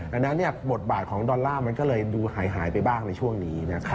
ดังนั้นบทบาทของดอลลาร์มันก็เลยดูหายไปบ้างในช่วงนี้